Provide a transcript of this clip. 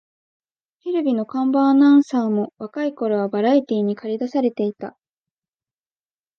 テレビの看板アナウンサーも若い頃はバラエティーにかり出されていた